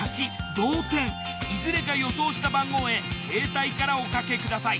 同点いずれか予想した番号へ携帯からお掛けください。